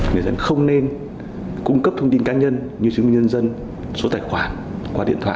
người dân không nên cung cấp thông tin cá nhân như chứng minh nhân dân số tài khoản qua điện thoại